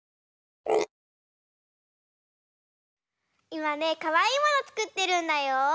いまねかわいいものつくってるんだよ。